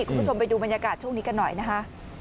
คุณผู้ชมไปดูบรรยากาศช่วงนี้กันหน่อยนะคะ